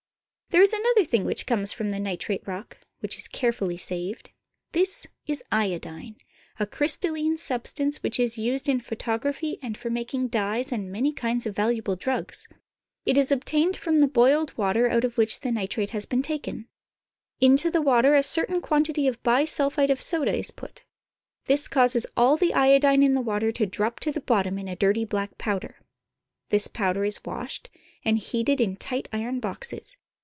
There is another thing which comes from the nitrate rock, which is carefully saved. This is iodine, a crystal line substance which is used in photography and for mak ing dyes and many kinds of valuable drugs. It is obtained from the boiled water out of which the nitrate has been ^ NITRATE DESERT. 105 taken. Into the water a certain quantity of bisulphite of soda is put. This causes all the iodine in the water to drop to the bottom in a dirty black powder. This powder is washed, and heated in tight iron boxes.